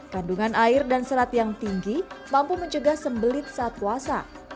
kandungan air dan serat yang tinggi mampu mencegah sembelit saat puasa